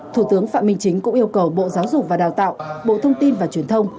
thủ tướng phạm minh chính cũng yêu cầu bộ giáo dục và đào tạo bộ thông tin và truyền thông